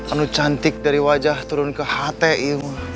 anu cantik dari wajah turun ke hti